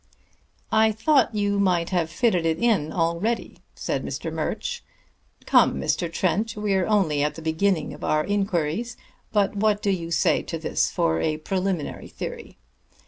"I thought you might have fitted it in already," said Mr. Murch. "Come, Mr. Trent, we're only at the beginning of our inquiries, but what do you say to this for a preliminary theory?